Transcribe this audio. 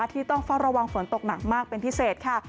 ที่ต้องเฝ้าระวังฝนตกหนักมากเป็นพิเศษค่ะ